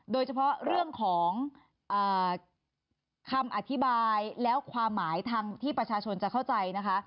โดยเฉพาะเรื่องของคำอธิบายแล้วความหมายทางที่ประชาชนจะเข้าใจนะคะ